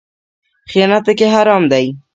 خیانت پکې حرام دی